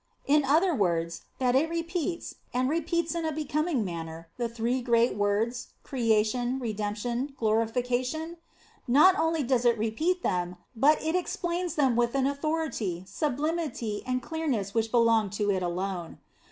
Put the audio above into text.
in other words, that it repeats, and repeats in a becoming manner, the three great words, Creation, Redemption, Glorification ? Not only does it repeat them, but it explains them *Alcuin, De divin. Office, c. xviii. 78 The Sign of the Cross with an authority, sublimity, and clearness which belong to it alone.